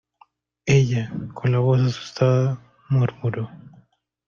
ella, con la voz asustada , murmuró: